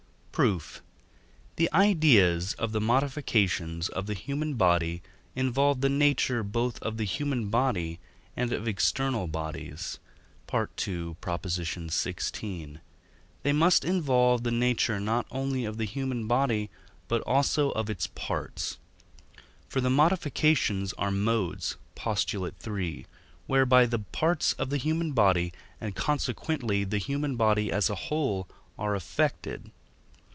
Proof. The ideas of the modifications of the human body involve the nature both of the human body and of external bodies (II. xvi.); they must involve the nature not only of the human body but also of its parts; for the modifications are modes (Post. iii.), whereby the parts of the human body, and, consequently, the human body as a whole are affected.